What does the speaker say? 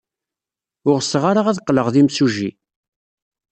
Ur ɣseɣ ara ad qqleɣ d imsujji.